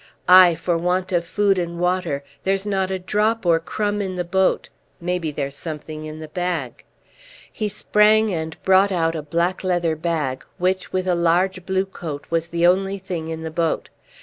"Aye, for want of food and water. There's not a drop or crumb in the boat. Maybe there's something in the bag." He sprang and brought out a black leather bag, which with a large blue coat was the only thing in the boat.